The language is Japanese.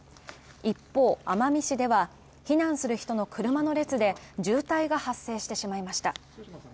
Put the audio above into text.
一方、奄美市では、避難する人の車の列で渋滞が発生してしまいました